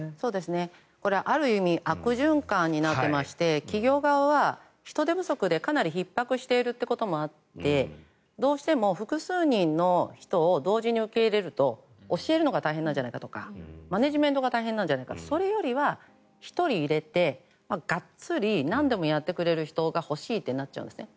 ある意味悪循環になってまして企業側は人手不足で、かなりひっ迫していることもあってどうしても複数人の人を同時に受け入れると教えるのが大変なんじゃないかとかマネジメントが大変なんじゃないかとかそれよりは１人入れて、がっつりなんでもやってくれる人が欲しいってなっちゃうんですね。